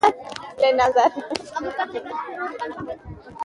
هغې د خپلو مینهوالو غوښتنې ومنلې.